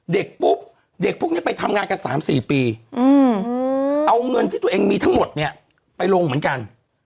เด็กพวกนี้ไปทำงานกัน๓๔ปีเอาเงินที่ตัวเองมีทั้งหมดไปลงเหมือนกัน